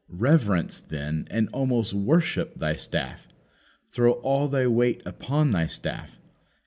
Reverence, then, and almost worship thy staff! Throw all thy weight upon thy staff.